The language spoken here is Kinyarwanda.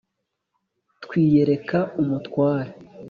twiyereka umutware